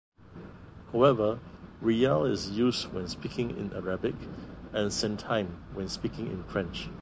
However, rial is used when speaking in Arabic and "centime" when speaking in French.